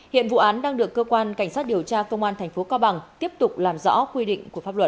hiện vụ án đang được cơ quan cảnh sát điều tra công an tp cao bằng tiếp tục làm rõ quy định của pháp luật